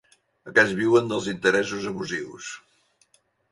Aquests viuen dels interessos abusius.